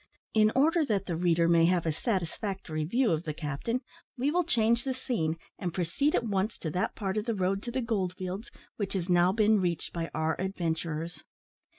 In order that the reader may have a satisfactory view of the captain, we will change the scene, and proceed at once to that part of the road to the gold fields which has now been reached by our adventurers.